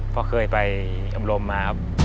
เพราะเคยไปอมรมมาครับ